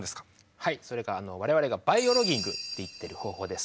はいそれが我々がバイオロギングと言っている方法です。